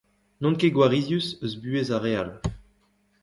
N'on ket gwarizius eus buhez ar re all.